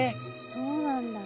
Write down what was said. そうなんだ。